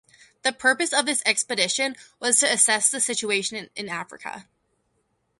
The purpose of this expedition was to assess the situation in Africa.